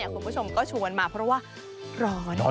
คุณผู้ชมก็ชวนมาเพราะว่าร้อน